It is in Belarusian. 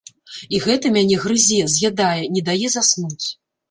І гэта мяне грызе, з'ядае, не дае заснуць.